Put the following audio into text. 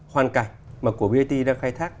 hoàn cảnh mà của brt đang khai thác